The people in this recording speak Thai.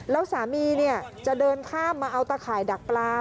แล้วสามีจะเดินข้ามมาเอาตะข่ายดักปลา